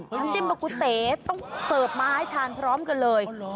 น้ำจิ้มมะกุเต๋ต้องเสิร์ฟมาให้ทานพร้อมกันเลย